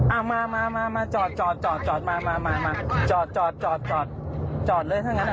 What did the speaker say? อ่ามาจอดมาจอดเลยเท่านั้น